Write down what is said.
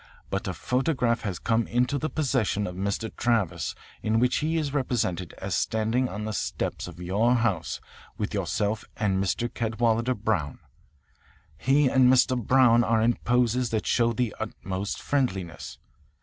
But a photograph has come into the possession of Mr. Travis in which he is represented as standing on the steps of your house with yourself and Mr. Cadwalader Brown. He and Mr. Brown are in poses that show the utmost friendliness.